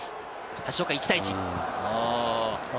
橋岡、１対１。